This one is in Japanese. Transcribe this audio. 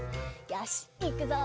よしいくぞ。